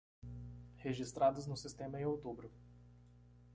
registradas no sistema em outubro.